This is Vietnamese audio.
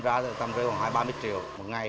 ra từ tầm khoảng hai mươi ba mươi triệu một ngày